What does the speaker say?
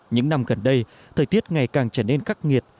những năm gần đây thời tiết ngày càng trở nên khắc nghiệt